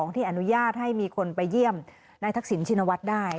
ที่อนุญาตให้มีคนไปเยี่ยมในทัคษีนชินวัดได้